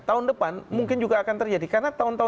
tahun depan mungkin juga akan terjadi karena